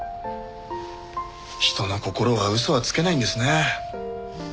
人の心は嘘はつけないんですね。